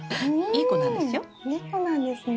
いい子なんですよ。